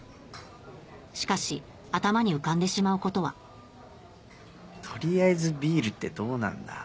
しかし頭に浮かんでしまうことは取りあえずビールってどうなんだ？